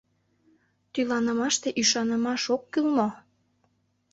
— Тӱланымаште ӱшанымаш ок кӱл мо?